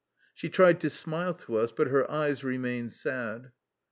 She tried to smile to us, but her eyes remained sad.